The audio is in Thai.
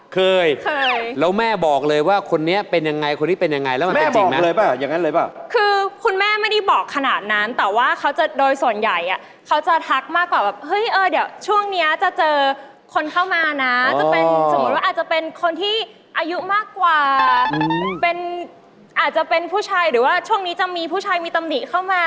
เคยแล้วแม่บอกเลยว่าคนนี้เป็นยังไงคนที่เป็นยังไงแล้วมันเป็นจริงหรือ